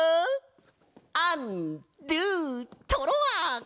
アンドゥトロワ！ホホホ！